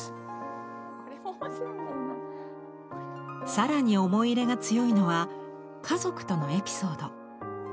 更に思い入れが強いのは家族とのエピソード。